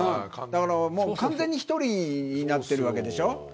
だから、完全に１人になってるわけでしょ。